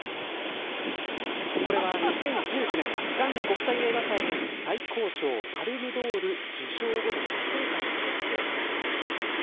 これは２０１９年カンヌ国際映画祭の最高賞パルムドール受賞後の撮影会の様子です。